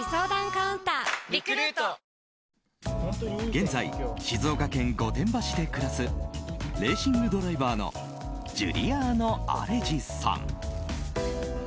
現在、静岡県御殿場市で暮らすレーシングドライバーのジュリアーノ・アレジさん。